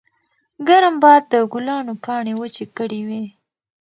ګرم باد د ګلانو پاڼې وچې کړې وې.